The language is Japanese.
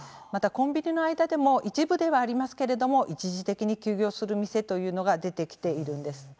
またコンビニの間でも一部ではありますけれども一時的に休業する店というのが出てきているんです。